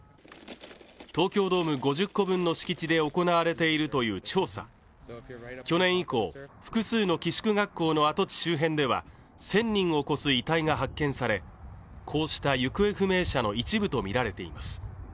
東京ドーム５０個分の敷地で行われているという調査去年以降複数の寄宿学校の跡地周辺では１０００人を超す遺体が発見されこうした行方不明者の一部と見られています